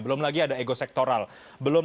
belum lagi ada ego sektoral belum